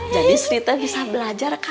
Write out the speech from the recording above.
jadi istri saya bisa belajar